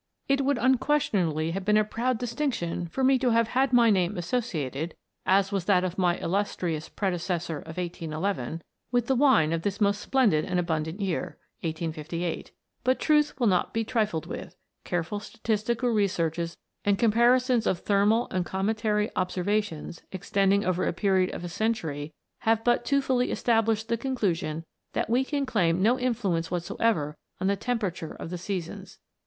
It would unquestionably have been a proud distinction for me to have had my name asso ciated, as was that of my illustrious predecessor of 1811, with the wine of this most splendid and abundant year 1858 ; but truth will not be trifled with : careful statistical researches and comparisons of thermal and cometary observations, extending over a period of a century, have but too fully esta blished the conclusion that we can claim no influ ence whatsoever on the temperature of the seasons.